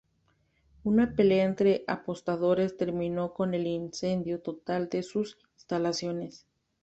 Una pelea entre apostadores terminó con el incendio total de sus instalaciones.